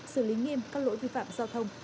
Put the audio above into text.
xử lý nghiêm các lỗi vi phạm giao thông